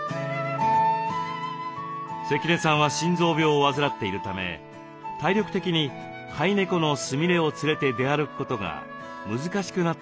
関根さんは心臓病を患っているため体力的に飼い猫のスミレを連れて出歩くことが難しくなってしまいました。